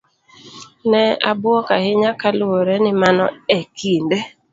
Ne abuok ahinya kaluore ni mano e kinde